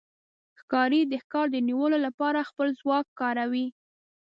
ښکاري د ښکار د نیولو لپاره خپل ځواک کاروي.